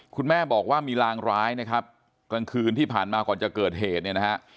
คุณแม่บอกว่ามีลางร้ายนะครับกลางคืนที่ผ่านมาก่อนจะเกิดเหตุเนี่ยนะฮะ